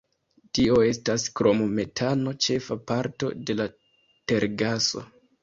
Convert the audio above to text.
Tio estas krom metano ĉefa parto de la tergaso.